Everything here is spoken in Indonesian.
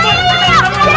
jangan pak pak jangan